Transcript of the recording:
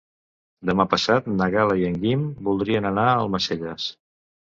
Demà passat na Gal·la i en Guim voldrien anar a Almacelles.